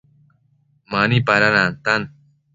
Mani pada nantan